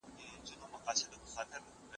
بهرنۍ پالیسي د ملي امنیت لپاره مهمه کرښه ده.